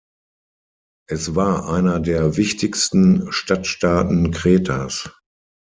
Es war einer der wichtigsten Stadtstaaten Kretas.